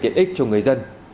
tiện ích cho người dân